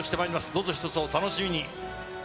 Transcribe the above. どうぞ一つお楽しみに。